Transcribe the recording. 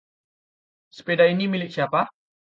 Sepeda ini milik siapa?